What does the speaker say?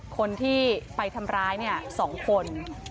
คนที่ไปทำร้ายเนี่ย๒คน